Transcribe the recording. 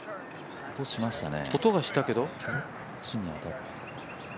音がしたけど。